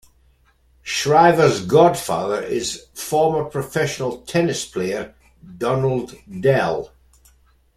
Shriver's godfather is former professional tennis player Donald Dell.